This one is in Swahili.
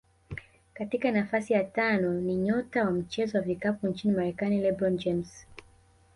Katika nafasi ya tano ni nyota wa mchezo wa vikapu nchini Marekani LeBron James